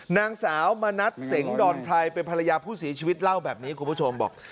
นางสาวมณัฐเสงดอนไพรเป็นภรรยาผู้เสียชีวิตเล่าแบบนี้คุณผู้ชมบอก